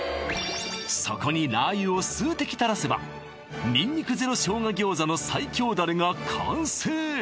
そこにラー油を数滴たらせばにんにくゼロ生姜餃子の最強ダレが完成！